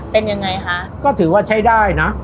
เป็นยังไงคะก็ถือว่าใช้ได้นะ